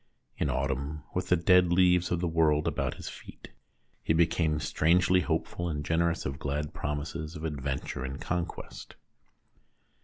In autumn, with the dead leaves of the world about his feet, he became strangely hopeful and generous of glad promises of adventure and conquest.